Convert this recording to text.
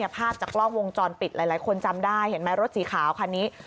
ภาพจากกล้องวงจรปิดหลายคนจำได้เห็นไหมรถสีขาวคันนี้